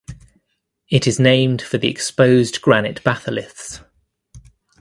It is named for the exposed granite batholiths.